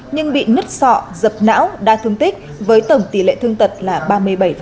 nhưng bị nứt sọ dập não đa thương tích với tổng tỷ lệ thương tật là ba mươi bảy